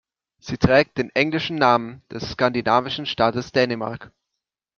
Sie trägt den englischen Namen des skandinavischen Staates Dänemark.